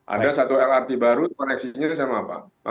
ada satu lrt baru koneksinya sama apa